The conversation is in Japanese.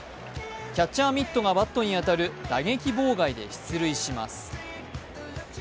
キャッチャーミットがバットに当たる打撃妨害で出塁します。